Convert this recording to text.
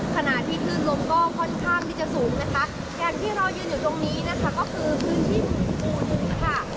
ขณะที่คลื่นลมก็ค่อนข้างที่จะสูงนะคะอย่างที่เรายืนอยู่ตรงนี้นะคะก็คือพื้นที่ภูมิค่ะ